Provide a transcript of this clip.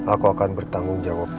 aku akan bertanggung jawab